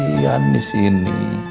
tapi siapa lagi yang disini